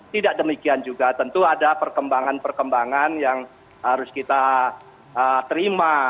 tidak demikian juga tentu ada perkembangan perkembangan yang harus kita terima